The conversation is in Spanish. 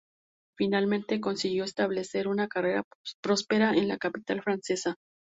Finalmente consiguió establecer una carrera próspera en la capital francesa.